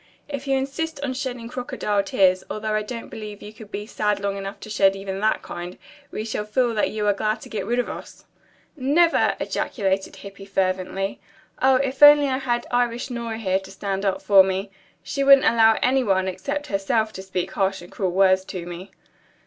"If you insist on shedding crocodile tears, although I don't believe you could be sad long enough to shed even that kind, we shall feel that you are glad to get rid of us." "Never!" ejaculated Hippy fervently. "Oh, if I only had Irish Nora here to stand up for me! She wouldn't allow any one, except herself, to speak harsh and cruel words to me."